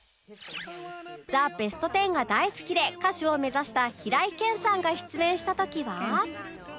『ザ・ベストテン』が大好きで歌手を目指した平井堅さんが出演した時は